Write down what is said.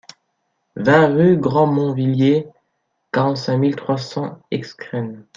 vingt rue Grant Montvilliers, quarante-cinq mille trois cents Escrennes